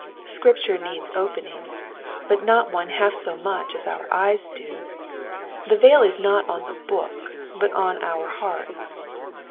Scripture needs opening, but not one half so much as our eyes do : the veil is not on the book, but on our hearts.